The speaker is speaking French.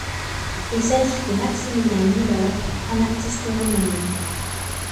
Il s'agit de Maximilien Müller, un artiste renommé.